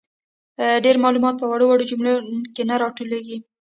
ډیر معلومات په وړو وړو جملو کي نه راټولیږي.